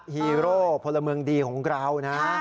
ฮีโร่พลเมืองดีของเรานะ